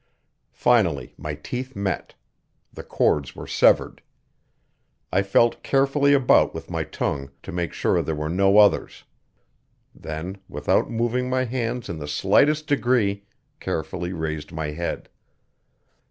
Finally my teeth met; the cords were severed. I felt carefully about with my tongue to make sure there were no others; then, without moving my hands in the slightest degree, carefully raised my head.